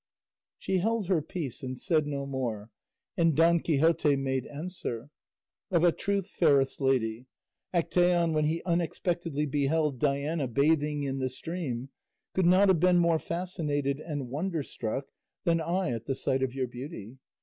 She held her peace and said no more, and Don Quixote made answer, "Of a truth, fairest lady, Actaeon when he unexpectedly beheld Diana bathing in the stream could not have been more fascinated and wonderstruck than I at the sight of your beauty.